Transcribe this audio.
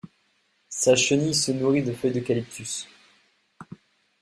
Sa chenille se nourrit de feuilles d'eucalyptus.